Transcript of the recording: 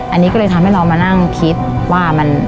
อันนี้ก็เลยทำให้เรามานั่งคิดว่ามัน